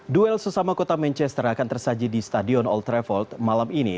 duel sesama kota manchester akan tersaji di stadion all traveld malam ini